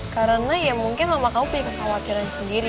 karena ya mungkin mama kamu punya kekhawatiran sendiri